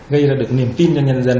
gây ra được niềm tin cho nhân dân